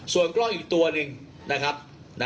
ส่วนกล้องอีกตัวหนึ่งนะครับ